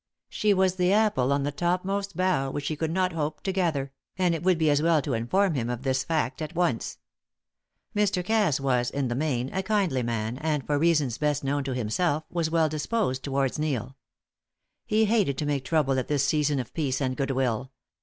She was the apple on the topmost bough which he could not hope to gather; and it would be as well to inform him of this fact at once. Mr. Cass was, in the main, a kindly man, and, for reasons best known to himself, was well disposed towards Neil. He hated to make trouble at this season of peace and goodwill.